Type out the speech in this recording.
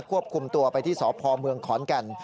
ควบคุมตัวไปที่สพเมืองขอนแก่น